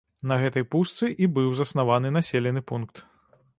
На гэтай пустцы і быў заснаваны населены пункт.